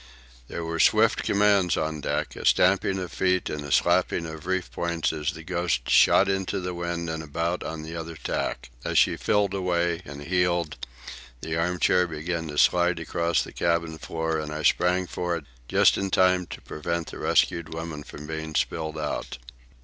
There were swift commands on deck, a stamping of feet and a slapping of reef points as the Ghost shot into the wind and about on the other tack. As she filled away and heeled, the arm chair began to slide across the cabin floor, and I sprang for it just in time to prevent the rescued woman from being spilled out.